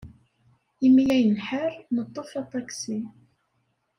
Imi ay nḥar, neḍḍef aṭaksi.